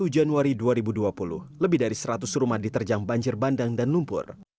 dua puluh januari dua ribu dua puluh lebih dari seratus rumah diterjang banjir bandang dan lumpur